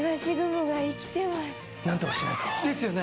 なんとかしないと。ですよね。